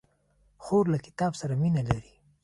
خور له کتاب سره مینه لري.